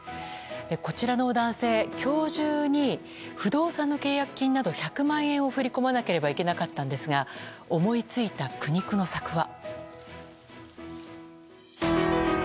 こちらの男性、今日中に不動産の契約金など１００万円を振り込まなければいけなかったんですが思いついた、苦肉の策は。